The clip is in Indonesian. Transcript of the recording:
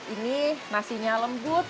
ini nasinya lembut